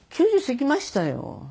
９０過ぎましたよ。